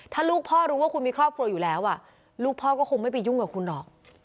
ถ้าลูกพ่อรู้ว่าคุณมีครอบครัวอยู่แล้วลูกพ่อก็คงไม่ไปยุ่งกับคุณหรอก